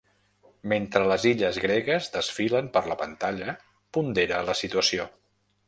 Mentre les illes gregues desfilen per la pantalla pondera la situació.